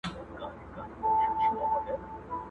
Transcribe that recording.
نور به د پانوس له رنګینیه ګیله نه کوم،